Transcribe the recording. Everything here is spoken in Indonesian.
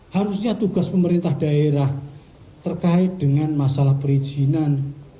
harusnya tugas pemerintah daerah terkait dengan masalah perizinan